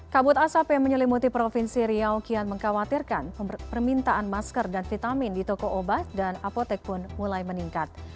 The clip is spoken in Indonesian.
kabut asap yang menyelimuti provinsi riau kian mengkhawatirkan permintaan masker dan vitamin di toko obat dan apotek pun mulai meningkat